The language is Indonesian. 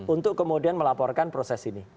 untuk kemudian melaporkan proses ini